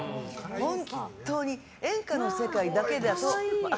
本当に演歌の世界だけだと。